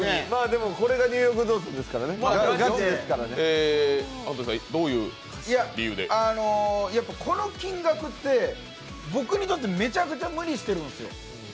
でも、これが「ニューヨーク不動産」ですからね、ガチでこの金額って僕にとってめちゃくちゃ無理してるんですよ。